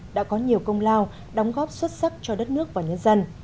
đã có nhiều công lao đóng góp xuất sắc cho đất nước và nhân dân